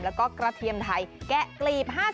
แล้วก็กระเทียมไทยแกะกลีบ๕๐